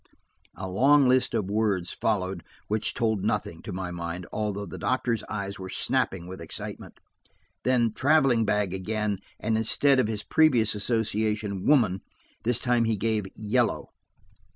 A long list of words followed which told nothing, to my mind, although the doctor's eyes were snapping with excitement. Then "traveling bag" again, and instead of his previous association, "woman," this time he gave "yellow."